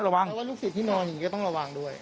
เพราะว่าลูกศิษย์ที่นอนอย่างนี้ก็ต้องระวังด้วย